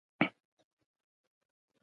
روغ او جوړ به اوسو.